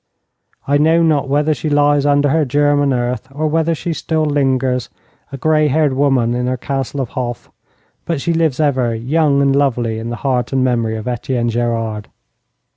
I know not whether she lies under her German earth, or whether she still lingers, a grey haired woman in her Castle of Hof, but she lives ever, young and lovely, in the heart and memory of Etienne Gerard.